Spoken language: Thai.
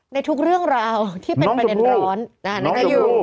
ในทุกเรื่องราวที่เป็นประเด็นร้อนก็อยู่